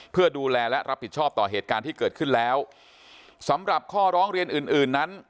เพื่อดูแลและรับผิดชอบต่อเหตุการณ์ที่เกิดขึ้นแล้วสำหรับข้อร้องเรียนอื่นอื่นนั้น